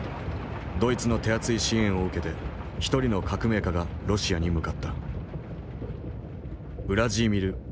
ドイツの手厚い支援を受けて一人の革命家がロシアに向かった。